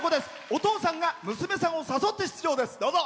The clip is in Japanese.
お父さんが娘さんを誘って出場です。